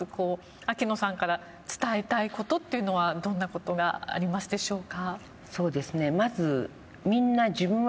秋野さんから伝えたいことというのはどんなことがありますでしょうか。